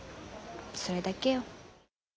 それだけよ。